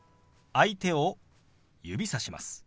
相手を指さします。